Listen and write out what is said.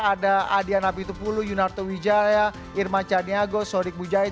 ada adia napi tupulu yunarto wijaya irma chaniago sori bujait